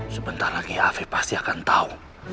sebentar lagi av pasti akan tahu